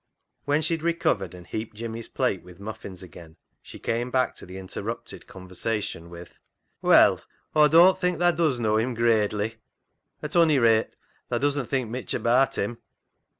When she had recovered and heaped Jimmy's plate with muffins again, she came back to the interrupted conversation with —" Well, Aw doan't think tha does knaw him gradely; at ony rate, tha doesn't think mitch abaat him."